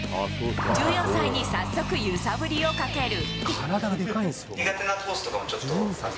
１４歳に早速、揺さぶりをかける。